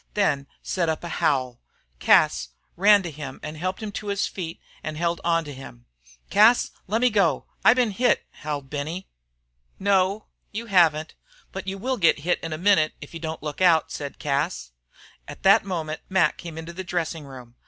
Then he set up a howl. Cas ran to him and helped him to his feet and held on to him. "Cas, lemme go. I ben hit," howled Benny. "No, you haven't. But you will git hit in a minute if you don't look out," said Cas. At that moment Mac came into the dressing room.